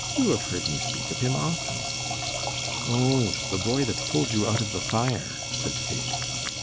You have heard me speak of him often." "Oh, the boy that pulled you out of the fire," said Kate.